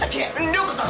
涼子さん。